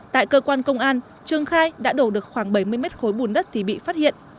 tại cơ quan công an trương khai đã đổ được khoảng bảy mươi mét khối bùn đất thì bị phát hiện